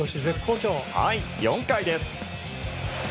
４回です。